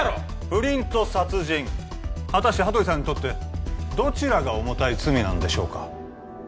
不倫と殺人果たして羽鳥さんにとってどちらが重たい罪なんでしょうか